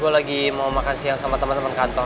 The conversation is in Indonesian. gue lagi mau makan siang sama temen temen kantor